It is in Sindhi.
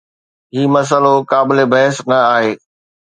هي مسئلو قابل بحث نه آهي.